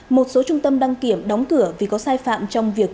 một số trung tâm đăng kiểm đóng cửa vì có sai phạm trong việc